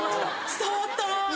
伝わった！